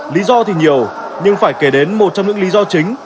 lý do thì nhiều nhưng phải kể đến một trong những lý do chính